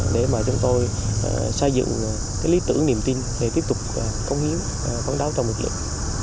để mà chúng tôi xây dựng lý tưởng niềm tin để tiếp tục công hiến văn đáo trong lực lượng